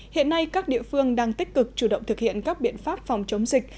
hiện nay các địa phương đang tích cực chủ động thực hiện các biện pháp phòng chống dịch